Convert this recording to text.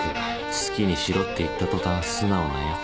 好きにしろって言った途端素直なヤツ。